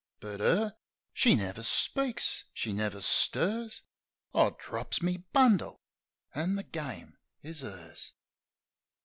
But 'er — she never speaks ; she never stirs ... I drops me bundle ... An' the game is 'ers.